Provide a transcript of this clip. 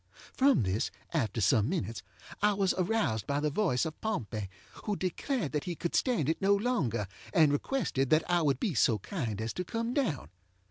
From this, after some minutes, I was aroused by the voice of Pompey, who declared that he could stand it no longer, and requested that I would be so kind as to come down.